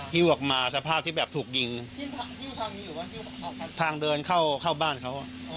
ทางเดินเข้าบ้านเขา